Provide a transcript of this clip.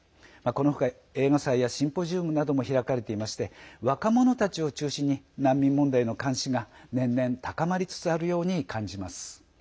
この他映画祭やシンポジウムなども開かれていまして若者たちを中心に難民問題への関心が、年々高まりつつあるように感じます。